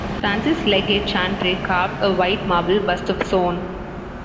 Francis Leggatt Chantrey carved a white marble bust of Soane.